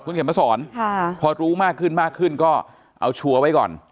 คุณเข็มมาสอนพอรู้มากขึ้นมากขึ้นก็เอาชัวร์ไว้ก่อน